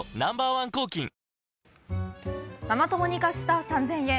１抗菌ママ友に貸した３０００円。